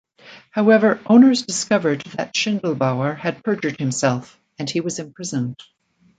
However owners discovered that Shindelbower had perjured himself, and he was imprisoned.